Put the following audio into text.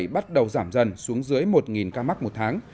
bắt đầu giảm dần xuống dưới một ca mắc một tháng